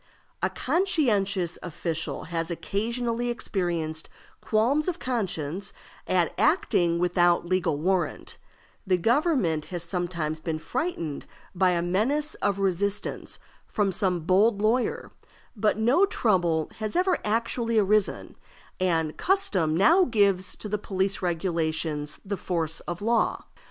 A conscientious official has occasionally experienced qualms of conscience at acting without legal warrant; the government has sometimes been frightened by a menace of resistance from some bold lawyer, but no trouble has ever actually arisen, and custom now gives to the police regulations the force of law.